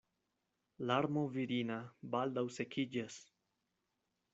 Larmo virina baldaŭ sekiĝas.